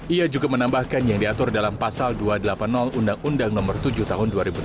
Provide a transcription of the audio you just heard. ia juga menambahkan yang diatur dalam pasal dua ratus delapan puluh undang undang nomor tujuh tahun dua ribu delapan belas